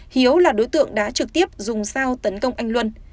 hiếu là đối tượng đã trực tiếp dùng dao tấn công anh luân